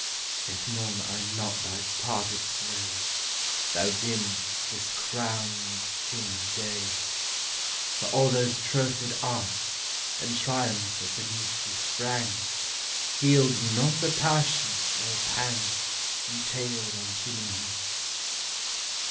Yet mourn I not thy parted sway, Thou dim, discrowned king of day; For all those trophied arts And triumphs that beneath thee sprang, Healed not a passion or a pang Entailed on human hearts.